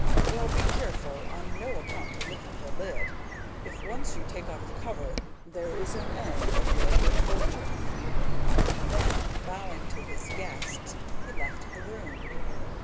Well, be careful on no account to lift the lid. If once you take off the cover, there is an end of your good fortune.' Then, bowing to his guests, he left the room.